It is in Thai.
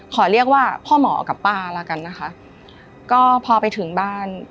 ขอเรียกว่าพ่อหมอกับป้าแล้วกันนะคะก็พอไปถึงบ้าน